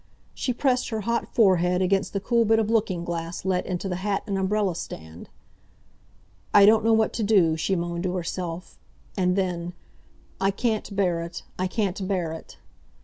She pressed her hot forehead against the cool bit of looking glass let into the hat and umbrella stand. "I don't know what to do!" she moaned to herself, and then, "I can't bear it! I can't bear it!"